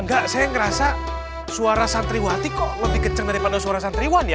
enggak saya ngerasa suara santri wati kok lebih kecil daripada suara santri wan ya